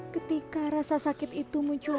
ketika rasa sakit itu muncul